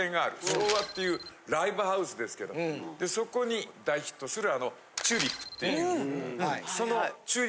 照和っていうライブハウスですけどそこに大ヒットするチューリップっていう。